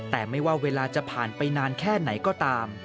แต่ไม่ว่าเวลาจะผ่านไปนานแค่ไหนก็ตาม